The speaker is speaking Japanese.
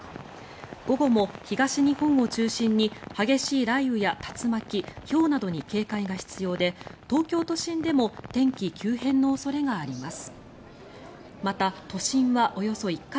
午後も東日本を中心に激しい雷雨や竜巻ひょうなどに警戒が必要で東京都心でも天気急変の恐れがあります。